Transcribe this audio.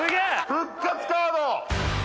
復活カード。